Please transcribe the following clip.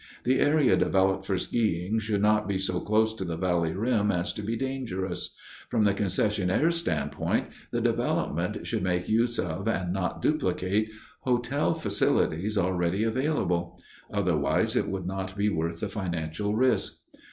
The area developed for skiing should not be so close to the valley rim as to be dangerous. From the concessionaire's standpoint, the development should make use of, and not duplicate, hotel facilities already available; otherwise, it would not be worth the financial risk.